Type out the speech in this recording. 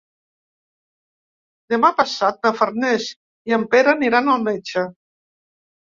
Demà passat na Farners i en Pere aniran al metge.